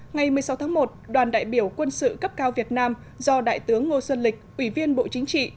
ngày một mươi sáu tháng một đoàn đại biểu quân sự cấp cao việt nam do đại tướng ngô xuân lịch ủy viên bộ chính trị